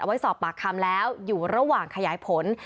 ไว้สอบปากคำแล้วอยู่ระหว่างขยายผล